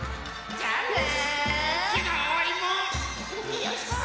よいしょっ！